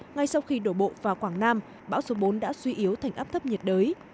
ngay sau khi đổ bộ vào quảng nam bão số bốn đã suy yếu thành áp thấp nhiệt đới